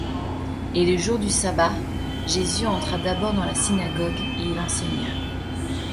Et, le jour du sabbat, Jésus entra d'abord dans la synagogue, et il enseigna.